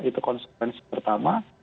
itu konsekuensi pertama